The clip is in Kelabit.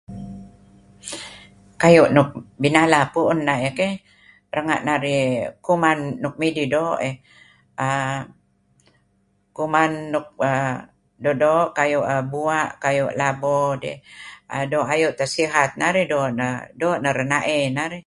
kayuh nuk binala puun na'ah keh..ra'ngah narih kuman nuk midih do[err][aah]kuman nuk[aah]do do kayuh [aah]buah, kayuh labo dih, do ayuh tah sihat narih, do nah ,do nah ranae narih.